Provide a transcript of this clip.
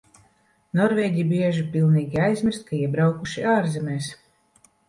Norvēģi bieži pilnīgi aizmirst, ka iebraukuši ārzemēs.